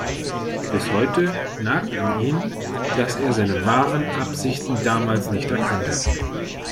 Bis heute nagt an ihm, dass er seine wahren Absichten damals nicht erkannt hat.